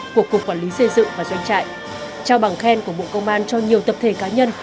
của cục quản lý xây dựng và doanh trại trao bằng khen của bộ công an cho nhiều tập thể cá nhân